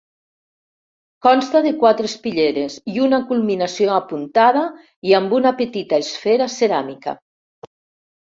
Consta de quatre espitlleres i una culminació apuntada i amb una petita esfera ceràmica.